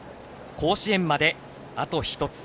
甲子園まで、あと１つ。